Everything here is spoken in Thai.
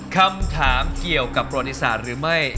คำถามเกี่ยวกับประวัติศาสตร์หรือไม่